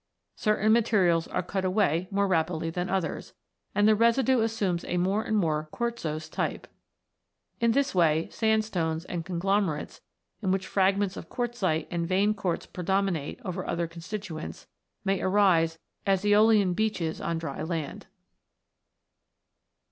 Certain materials are cut away more rapidly than others, and the residue assumes a more and more quartzose type. In this way, sand stones, and conglomerates in which fragments of quartzite and vein quartz predominate over other constituents, may arise as aeolian beaches on dry land.